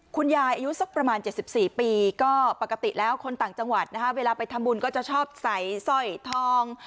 อายุสักประมาณ๗๔ปีก็ปกติแล้วคนต่างจังหวัดนะคะเวลาไปทำบุญก็จะชอบใส่สร้อยทอง